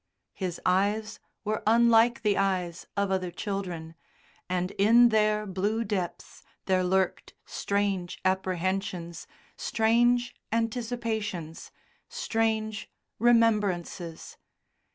His eyes were unlike the eyes of other children, and in their blue depths there lurked strange apprehensions, strange anticipations, strange remembrances.